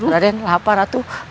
raden lapar atuh